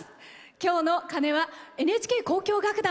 今日の鐘はＮＨＫ交響楽団